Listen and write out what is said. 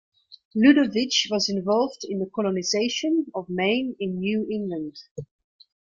Ludovic was involved in the colonization of Maine in New England.